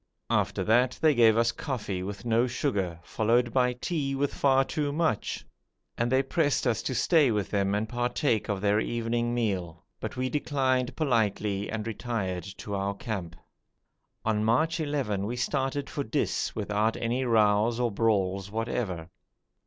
After that they gave us coffee with no sugar, followed by tea with far too much, and they pressed us to stay with them and partake of their evening meal, but we declined politely and retired to our camp. On March 11 we started for Dis without any rows or brawls whatever.